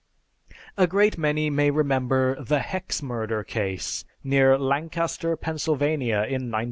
A great many may remember the "Hex" murder case near Lancaster, Pennsylvania, in 1930!